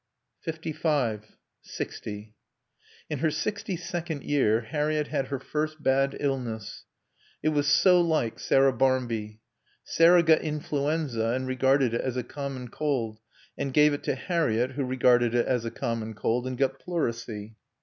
Fifty five. Sixty. In her sixty second year Harriett had her first bad illness. It was so like Sarah Barmby. Sarah got influenza and regarded it as a common cold and gave it to Harriett who regarded it as a common cold and got pleurisy.